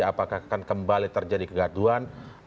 apakah akan kembali terjadi kegaduan